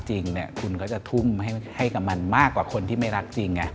จริงคุณก็จะทุ่มให้กับมันมากกว่าคนที่ไม่รักจริงไง